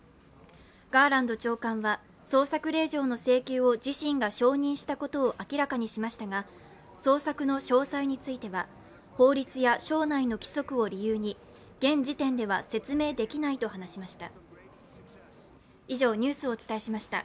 ガーランド長官は、捜索令状の請求を自身が承認したことを明らかにしましたが捜索の詳細については、法律や省内の規則を理由に現時点では説明できないと話しました。